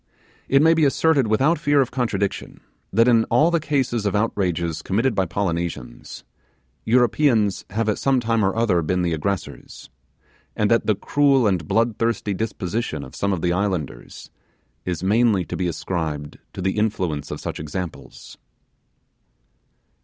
It may be asserted without fear of contradictions that in all the cases of outrages committed by Polynesians, Europeans have at some time or other been the aggressors, and that the cruel and bloodthirsty disposition of some of the islanders is mainly to be ascribed to the influence of such examples.